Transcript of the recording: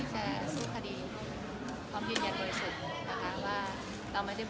คือรอดูคารณีเวียดจะต่างหาก